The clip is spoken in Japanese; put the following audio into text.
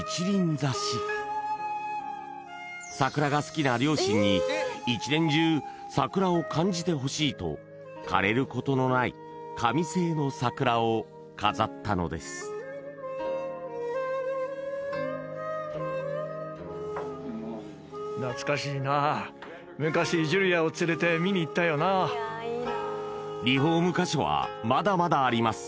挿し桜が好きな両親に一年中桜を感じてほしいと枯れることのない紙製の桜を飾ったのですリフォーム箇所はまだまだあります